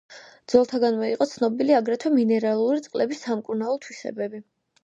ძველთაგანვე იყო ცნობილი აგრეთვე მინერალური წყლების სამკურნალო თვისებები.